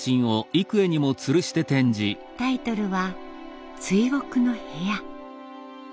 タイトルは「追憶の部屋」。